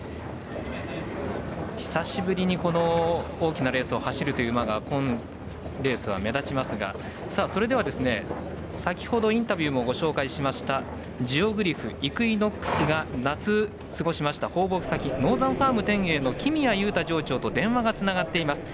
久しぶりに大きなレースを走るという馬がこのレースは目立ちますがそれでは、先ほどインタビューもご紹介しましたジオグリフ、イクイノックスが夏、過ごしました放牧先ノーザンファーム天栄の木實谷雄太場長と電話がつながっています。